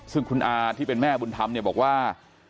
ซึ่งคุณอาที่เป็นแม่บุญธรรมเนี่ยบอกว่า